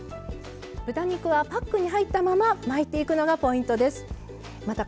豚肉はパックに入ったまま巻いていくのがポイントです。